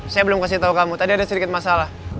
saya belum kasih tahu kamu tadi ada sedikit masalah